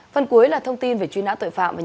phần cuối là thông tin về chuyên án tội phạm